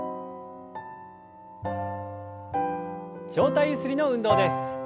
上体ゆすりの運動です。